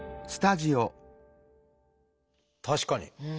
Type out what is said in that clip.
確かに。